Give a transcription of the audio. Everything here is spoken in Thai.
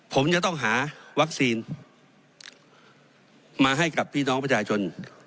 ผมจะต้องหาวัคซีนมาให้กับพี่น้องประชาชน